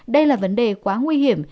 đây là vấn đề quá nguy hiểm